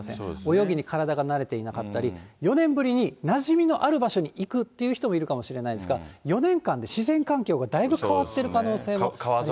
泳ぎに体が慣れていなかったり、４年ぶりになじみのある場所に行くっていう人もいるかもしれないですが、４年間で自然環境がだいぶ変わってる可能性もあります。